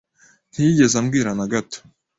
Ntiyigeze ambwira na gato.